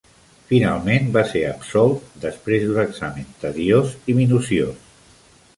Finalment va ser absolt després d'un examen tediós i minuciós.